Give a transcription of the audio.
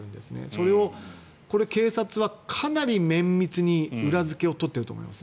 それを警察はかなり綿密に裏付けを取っていると思います。